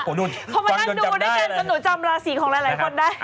เขามานั่งดูด้วยกันจนหนูจำราศีของหลายคนได้